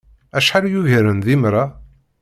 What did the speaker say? Acḥal yugaren d imra!